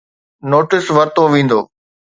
Notice ورتو ويندو.